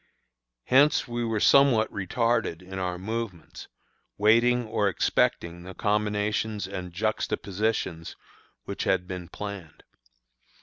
Hence we were somewhat retarded in our movements, waiting or expecting the combinations and juxtapositions which had been planned.